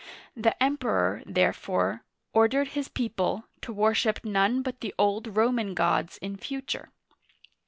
The Emperor, therefore, ordered his people, to worship none but the old Roman gods in future.